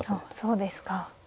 そうですか。